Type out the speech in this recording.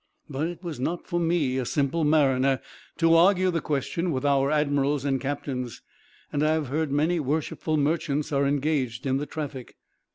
But it was not for me, a simple mariner, to argue the question with our admirals and captains; and I have heard many worshipful merchants are engaged in the traffic.